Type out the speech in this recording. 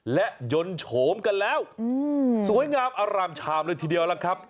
และยนต์โฉมกันแล้วสวยงามอร่ามชามเลยทีเดียวล่ะครับ